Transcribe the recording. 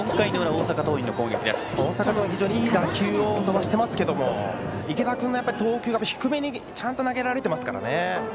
大阪桐蔭はいい打球を飛ばしていますが池田君の投球が低めにちゃんと投げられていますからね。